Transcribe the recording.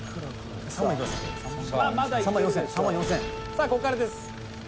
さあここからです。